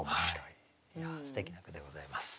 いやすてきな句でございます。